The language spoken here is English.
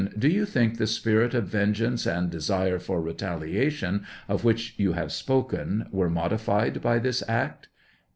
Do you think the spirit of vengeance and desire for retaliation of which you' have spoken were modified by this act